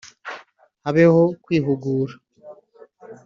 habeho kwihugura